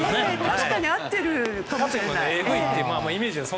確かに合ってるかもしれませんね。